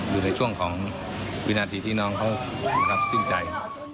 อยู่ในช่วงของวินาทีที่น้องเขาสิ้นใจ